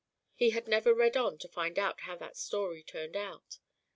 He had never read on to find how that story turned out.